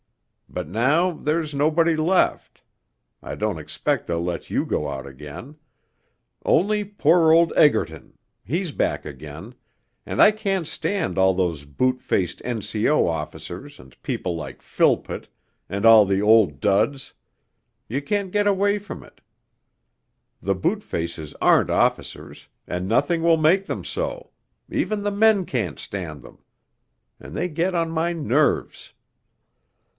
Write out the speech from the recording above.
But now there's nobody left (I don't expect they'll let you go out again), only poor old Egerton he's back again ... and I can't stand all those boot faced N.C.O. officers and people like Philpott, and all the Old Duds.... You can't get away from it the boot faces aren't officers, and nothing will make them so ... even the men can't stand them. And they get on my nerves....